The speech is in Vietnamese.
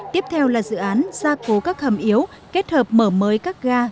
tiếp theo là dự án gia cố các hầm yếu kết hợp mở mới các ga